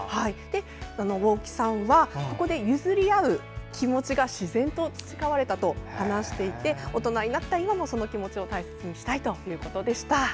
大木さんはここで譲り合う気持ちが自然と培われたと話していて大人になった今もその気持ちを大切にしたいということでした。